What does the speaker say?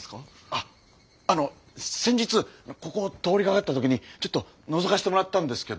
あっあの先日ここを通りかかった時にちょっとのぞかせてもらったんですけど。